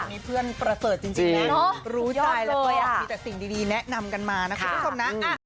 วันนี้เพื่อนประเสริฐจริงแล้วรู้ใจแล้วก็อยากมีแต่สิ่งดีแนะนำกันมานะครับทุกคนค่ะ